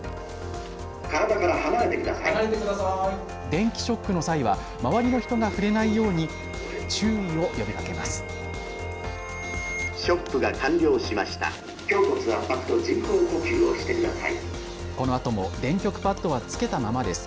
電気ショックの際は周りの人が触れないように注意を呼びかけます。